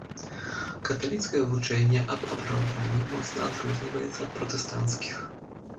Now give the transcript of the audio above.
Каталіцкае вучэнне аб апраўданні моцна адрозніваецца ад пратэстанцкіх.